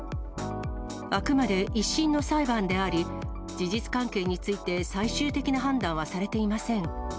あくまで１審の裁判であり、事実関係について最終的な判断はされていません。